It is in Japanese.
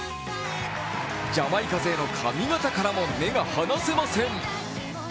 ジャマイカ勢の髪形からも目が離せません。